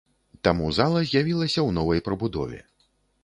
Таму зала з'явілася ў новай прыбудове.